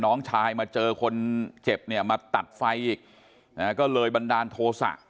น้องชายมาเจอคนเจ็บเนี่ยมาตัดไฟอีกนะฮะก็เลยบันดาลโทษะ